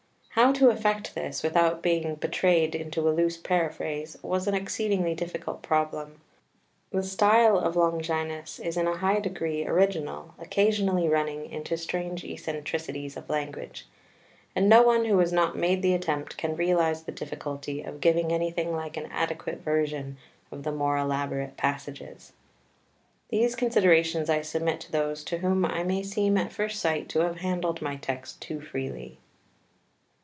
How to effect this, without being betrayed into a loose paraphrase, was an exceedingly difficult problem. The style of Longinus is in a high degree original, occasionally running into strange eccentricities of language; and no one who has not made the attempt can realise the difficulty of giving anything like an adequate version of the more elaborate passages. These considerations I submit to those to whom I may seem at first sight to have handled my text too freely.